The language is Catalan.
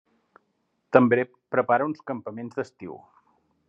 També prepara uns campaments d'estiu.